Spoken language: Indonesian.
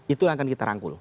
itu yang akan kita rangkul